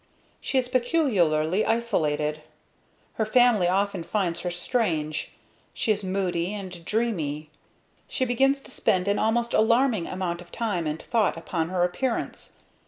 She is peculiarly isolated. Her family often finds her strange. She is moody and dreamy. She begins to spend an almost alarming amount of time and thought upon her appearance.